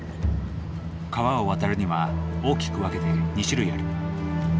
川を渡るには大きく分けて２種類ある。